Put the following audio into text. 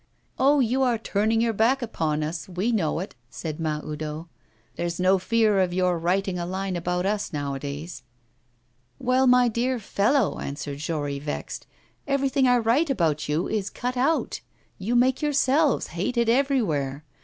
'Oh, you are turning your back upon us, we know it,' said Mahoudeau. 'There's no fear of your writing a line about us nowadays.' 'Well, my dear fellow,' answered Jory, vexed, 'everything I write about you is cut out. You make yourselves hated everywhere.